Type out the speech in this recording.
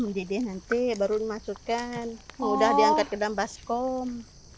menjadi nanti baru dimasukkan mau diangkat ke dalam baskom